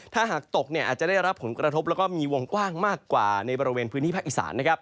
ถ้าหากตกอาจจะได้รับผลกระทบแล้วก็มีวงกว้างมากกว่าในบริเวณพื้นที่ภาคอีสาน